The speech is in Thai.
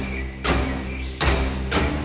วิจัยสุดท้าย